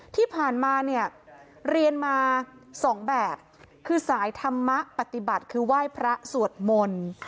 ที่ผ่านมาเนี่ยเรียนมาสองแบบคือสายธรรมะปฏิบัติคือไหว้พระสวดมนต์